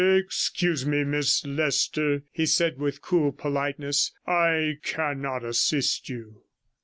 124 'Excuse me, Miss Leicester,' he said with cool politeness, 'I cannot assist you.'